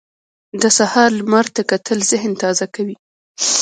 د سهار لمر ته کتل ذهن تازه کوي.